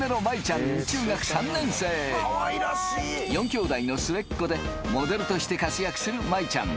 ４きょうだいの末っ子でモデルとして活躍する舞衣ちゃん